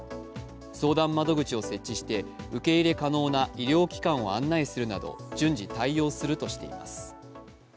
相談窓口を設置して受け入れ可能な医療機関を案内するなど順次対応するとしています。